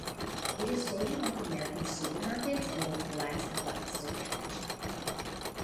It is sold in North American supermarkets in both glass and plastic packaging.